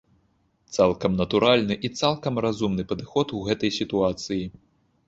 Цалкам натуральны і цалкам разумны падыход у гэтай сітуацыі.